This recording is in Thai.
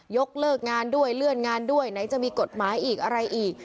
ยกเลิกงานด้วยเลื่อนงานด้วยไหนจะมีกฎหมายอีกอะไรอีก